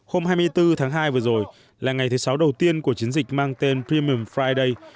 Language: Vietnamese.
hôm hai mươi bốn tháng hai vừa rồi là ngày thứ sáu đầu tiên của chiến dịch mang tên preamon friday